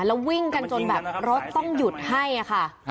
แล้ววิ่งกันจนแบบรถต้องหยุดให้ค่ะ